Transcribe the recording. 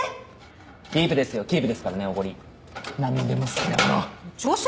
キープですよキープですからねおごりなんでも好きなもの調子